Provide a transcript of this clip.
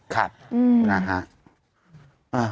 ค่ะนะคะ